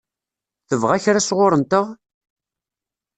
Tebɣa kra sɣur-nteɣ?